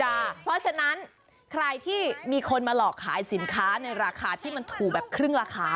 เพราะฉะนั้นใครที่มีคนมาหลอกขายสินค้าในราคาที่มันถูกแบบครึ่งราคา